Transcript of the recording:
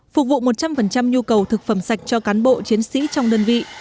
phục vụ một trăm linh nhu cầu thực phẩm sạch cho cán bộ chiến sĩ trong đơn vị